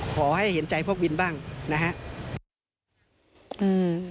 เห็นใจพวกวินบ้างนะครับ